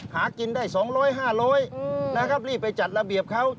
หากินได้๒๐๐๕๐๐นะครับรีบไปจัดระเบียบเขา